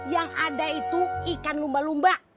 yang ada itu ikan lumba lumba